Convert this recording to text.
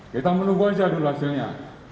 kita menubuhkan jadwal hasilnya